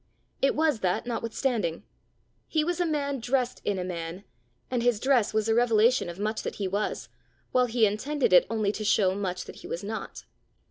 It was that notwithstanding. He was a man dressed in a man, and his dress was a revelation of much that he was, while he intended it only to show much that he was not.